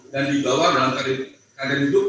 dan dibawa dalam keadaan hidup